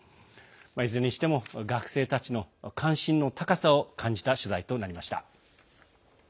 いずれにしても学生たちの関心の高さを感じた取材となりました。